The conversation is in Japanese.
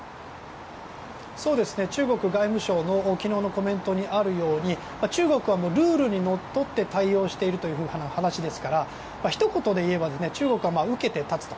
中国外務省の昨日のコメントにあるように中国はルールにのっとって対応しているという話ですからひと言でいえば中国は受けて立つと。